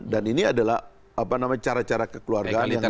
dan ini adalah cara cara kekeluargaan yang diajarkan